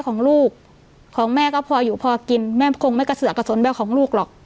ของลูกของแม่ก็พออยู่พอกินแม่คงไม่กระเสือกกระสนแบบของลูกหรอก